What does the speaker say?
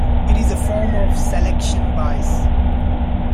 It is a form of selection bias.